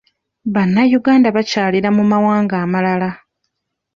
Bannayuganda bakyalira mu mawanga amalala.